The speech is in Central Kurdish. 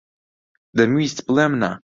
دەمویست بڵێم نا.